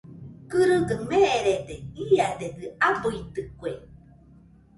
Kɨrɨgaɨ meerede, iadedɨ abɨitɨkue.